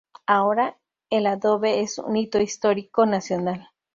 Ahora, el adobe es un Hito Histórico Nacional.